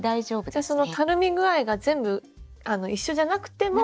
じゃあそのたるみ具合が全部一緒じゃなくても。